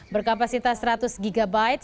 berkapasitas seratus gb